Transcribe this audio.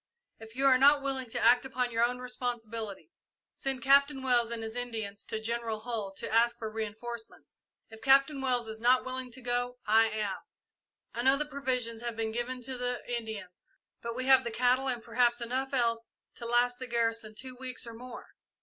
If you are not willing to act upon your own responsibility, send Captain Wells and his Indians to General Hull to ask for reinforcements. If Captain Wells is not willing to go, I am. I know the provisions have been given to the Indians, but we have the cattle and perhaps enough else to last the garrison two weeks or more.